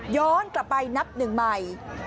ย้อนกลับไปนับหนึ่งใหม่